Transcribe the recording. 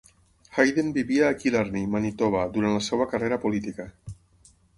Hayden vivia a Killarney, Manitoba, durant la seva carrera política.